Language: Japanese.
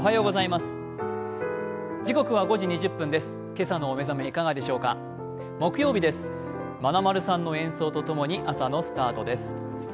まなまるさんの演奏と共に朝のスタートです。